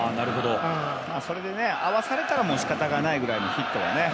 それで合わされたらしかたがないぐらいのヒットはね。